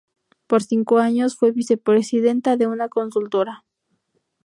Por cinco años fue vicepresidenta de una consultora.